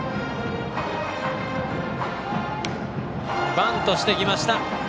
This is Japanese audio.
バントしてきました。